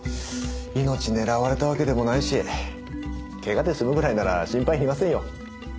命狙われたわけでもないし怪我で済むぐらいなら心配いりませんよ。